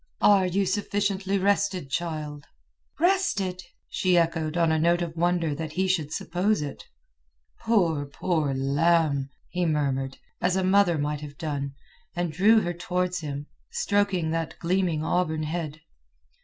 "Are you sufficiently rested, child?" "Rested?" she echoed on a note of wonder that he should suppose it. "Poor lamb, poor lamb!" he murmured, as a mother might have done, and drew her towards him, stroking that gleaming auburn head.